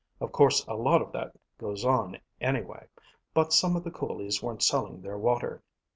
Of course a lot of that goes on, anyway. But some of the coolies weren't selling their water.